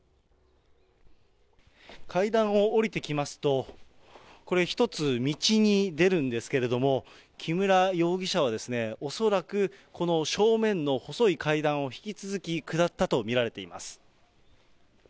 階段を下りてきますと、これ、一つ道に出るんですけれども、木村容疑者は恐らく、この正面の細い階段を引き続き下ったと見られています。